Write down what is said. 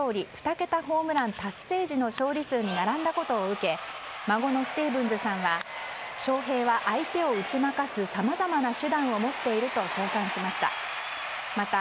ホームラン達成時の勝利数に並んだことを受け孫のスティーブンズさんは翔平は、相手を打ち負かすさまざまな手段を持っていると称賛しました。